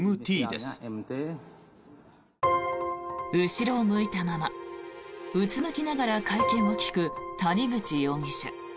後ろを向いたままうつむきながら会見を聞く谷口容疑者。